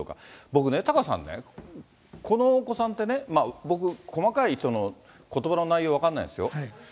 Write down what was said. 僕ね、タカさんね、このお子さんってね、僕、細かい事柄の内容分からないですよ。